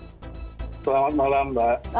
selamat malam mbak